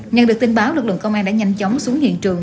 nhận được tin báo lực lượng công an đã nhanh chóng xuống hiện trường